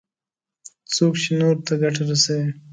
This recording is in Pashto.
څوک چې نورو ته ګټه رسوي.